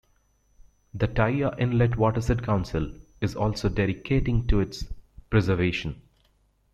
The "Taiya Inlet Watershed Council" is also dedicating to its preservation.